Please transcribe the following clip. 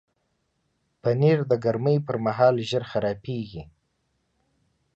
پنېر د ګرمۍ پر مهال ژر خرابیږي.